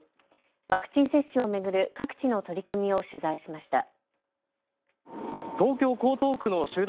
ワクチン接種を巡る各地の取り組みを取材しました。